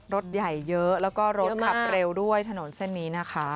รถใหญ่เยอะแล้วก็รถขับเร็วด้วยถนนเส้นนี้นะคะ